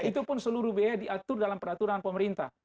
itu pun seluruh biaya diatur dalam peraturan pemerintah